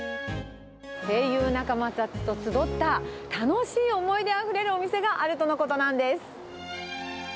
声優仲間たちと集った、楽しい思い出あふれるお店があるとのことなんです。